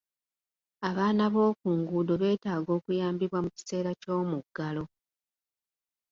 Abaana b'oku nguudo beetaaga okuyambibwa mu kiseera ky'omuggalo.